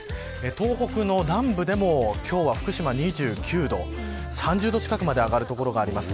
東北の南部でも今日は福島２９度３０度近くまで上がる所があります。